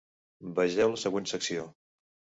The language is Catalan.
Vegeu la següent secció.